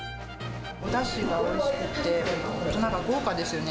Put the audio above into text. おだしがおいしくて、本当なんか豪華ですよね。